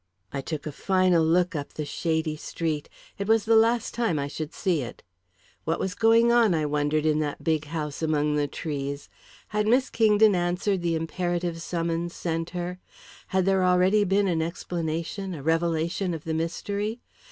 I took a final look up the shady street; it was the last time I should see it. What was going on, I wondered, in that big house among the trees? Had Miss Kingdon answered the imperative summons sent her? Had there already been an explanation, a revelation of the mystery?